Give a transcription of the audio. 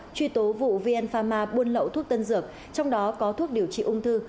truy tố vụ vn pharma buôn lậu thuốc tân dược trong đó có thuốc điều trị ung thư